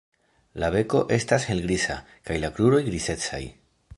La beko estas helgriza kaj la kruroj grizecaj.